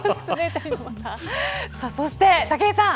そして、武井さん。